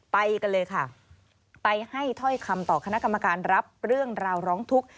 ไปกันเลยค่ะไปให้ถ้อยคำต่อคณะกรรมการรับเรื่องราวร้องทุกข์